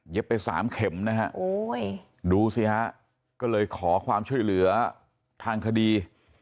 ไปสามเข็มนะฮะดูสิฮะก็เลยขอความช่วยเหลือทางคดี